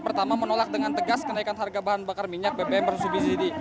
pertama menolak dengan tegas kenaikan harga bahan bakar minyak bbm bersubsidi